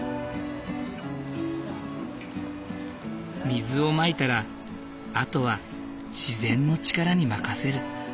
水をまいたらあとは自然の力に任せる。